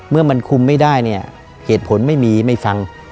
เมื่อมันคุมไม่ได้เนี่ยเหตุผลไม่มีไม่ฟัง